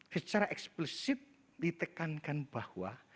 secara eksplisit ditekankan bahwa